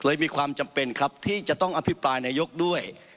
มีความจำเป็นครับที่จะต้องอภิปรายนายกด้วย